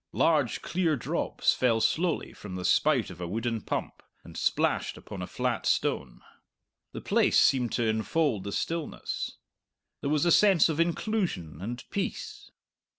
Large, clear drops fell slowly from the spout of a wooden pump, and splashed upon a flat stone. The place seemed to enfold the stillness. There was a sense of inclusion and peace.